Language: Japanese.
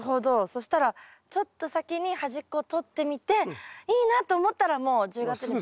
そしたらちょっと先に端っこをとってみていいなと思ったらもう１０月に。